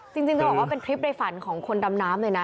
จริงจะบอกว่าเป็นคลิปในฝันของคนดำน้ำเลยนะ